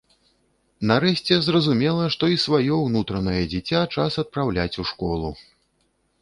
Нарэшце, зразумела, што і сваё ўнутранае дзіця час адпраўляць у школу!